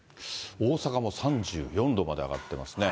大阪も３４度まで上がってますね。